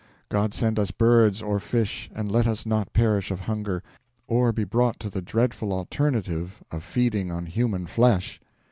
God send us birds or fish, and let us not perish of hunger, or be brought to the dreadful alternative of feeding on human flesh!